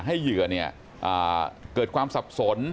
ให้เหยื่อเนี่ยเกิดความสับสน